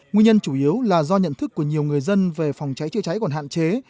nguyên nhân chủ yếu là do nhận thức của nhiều người dân về phòng cháy chữa cháy còn hạn chế